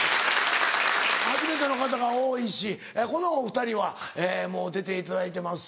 初めての方が多いしこのお２人はもう出ていただいてますし。